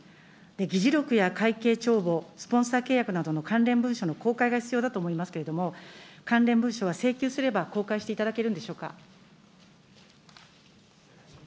議事録や会計帳簿、スポンサー契約などの関連文書の公開が必要だと思いますけれども、関連文書は請求すれば、公開していただけるんでしょうか。